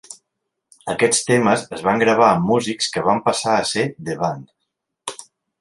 Aquests temes es van gravar amb músics que van passar a ser a The Band.